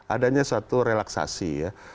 adanya satu relaksasi ya